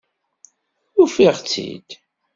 Ufiɣ-tt-id!